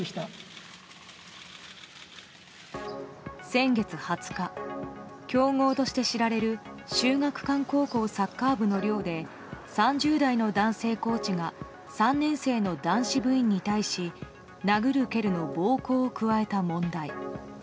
先月２０日強豪として知られる秀岳館高校サッカー部の寮で３０代の男性コーチが３年生の男性部員に対し殴る蹴るの暴行を加えた問題。